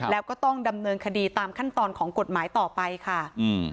แล้วก็ต้องดำเนินคดีตามขั้นตอนของกฎหมายต่อไปค่ะอืม